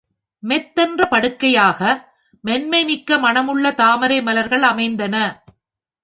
மெத்தென்ற படுக்கையாக, மென்மை மிக்க மணமுள்ள தாமரை மலர்கள் அமைந்தன.